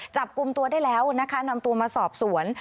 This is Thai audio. จับกลุ่มตัวได้แล้วนะคะนำตัวมาสอบสวน